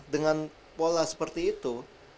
dengan pola seperti itu